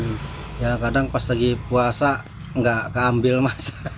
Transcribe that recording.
ya kadang kadang pas lagi puasa nggak diambil mas